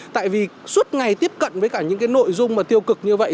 tại vì suốt ngày tiếp cận với những nội dung tiêu cực như vậy